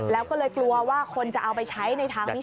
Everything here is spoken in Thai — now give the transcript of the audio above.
แล้วก็เลยกลัวว่าคนจะเอาไปใช้ในทางนี้